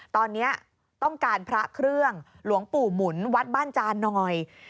ตอนนี้ต้องการพระเครื่องหลวงปู่หมุนวัดบ้านจานหน่อย